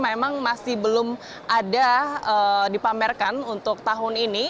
memang masih belum ada dipamerkan untuk tahun ini